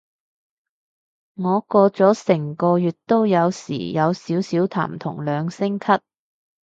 我過咗成個月都有時有少少痰同兩聲咳